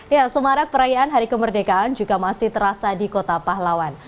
ya semarak perayaan hari kemerdekaan juga masih terasa di kota pahlawan